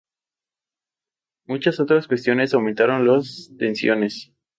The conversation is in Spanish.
Muchas otras cuestiones aumentaron las tensiones.